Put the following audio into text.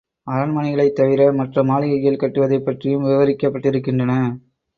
அரண்மனைகளைத் தவிர மற்ற மாளிகைகள் கட்டுவதைப் பற்றியும் விவரிக்கப்பட்டிருக்கின்றன.